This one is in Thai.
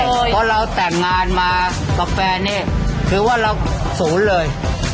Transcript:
เพราะเราแต่งงานมากับแฟนนี่คือว่าเราศูนย์เลย